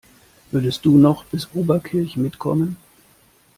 Würdest du noch bis Oberkirch mitkommen?